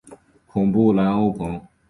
孔布兰欧蓬。